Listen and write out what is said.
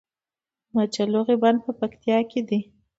د مچالغو بند په پکتیا کې دی